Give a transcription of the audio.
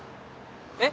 えっ？